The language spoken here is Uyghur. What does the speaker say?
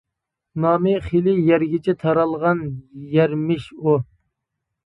نامى خېلى يەرگىچە تارالغان يەرمىش ئۇ.